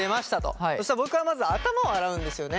そしたら僕はまず頭を洗うんですよね。